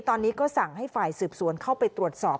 ตอนนี้ก็สั่งให้ฝ่ายสืบสวนเข้าไปตรวจสอบ